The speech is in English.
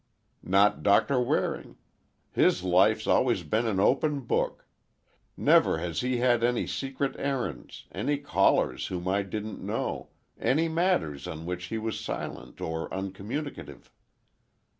Not Doctor Waring. His life's always been an open book. Never has he had any secret errands, any callers whom I didn't know, any matters on which he was silent or uncommunicative.